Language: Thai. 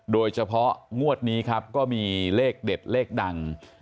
โดยเฉพาะงวดนี้ครับก็มีเลขเด็ดเลขดัง